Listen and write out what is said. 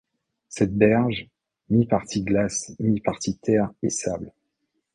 Cette berge, mi-partie glace, mi-partie terre et sable